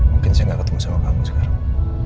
mungkin saya gak ketemu sama kamu sekarang